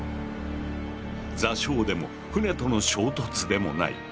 座礁でも船との衝突でもない